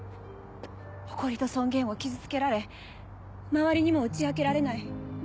誇りと尊厳を傷つけられ周りにも打ち明けられない。